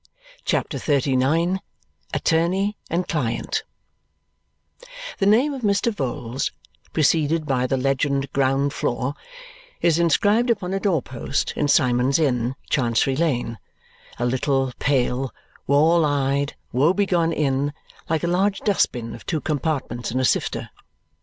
CHAPTER XXXIX Attorney and Client The name of Mr. Vholes, preceded by the legend Ground Floor, is inscribed upon a door post in Symond's Inn, Chancery Lane a little, pale, wall eyed, woebegone inn like a large dust binn of two compartments and a sifter.